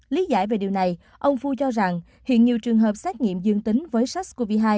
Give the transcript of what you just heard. lý giải về điều này ông phu cho rằng hiện nhiều trường hợp xét nghiệm dương tính với sars cov hai